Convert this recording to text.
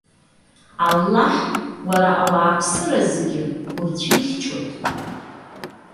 Аллаҳ, уара ауааԥсыра зегьы урцәихьчоит.